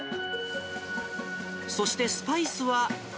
そしてスパイスは。